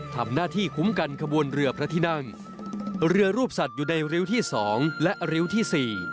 ทำหน้าที่คุ้มกันขบวนเรือพระที่นั่งเรือรูปสัตว์อยู่ในริ้วที่สองและริ้วที่สี่